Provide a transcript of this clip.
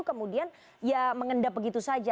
kemudian ya mengendap begitu saja